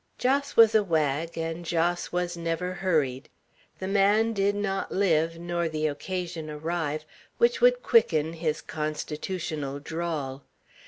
Jos was a wag, and Jos was never hurried. The man did not live, nor could the occasion arrive, which would quicken his constitutional drawl.